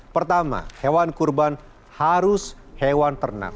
pertama hewan kurban harus hewan ternak